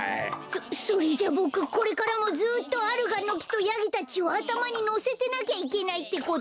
そそれじゃボクこれからもずっとアルガンのきとヤギたちをあたまにのせてなきゃいけないってこと？